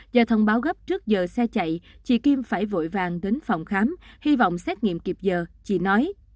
do thông báo gấp trước giờ xe chạy chị kim phải vội vàng đến phòng khám hy vọng xét nghiệm kịp giờ chị nói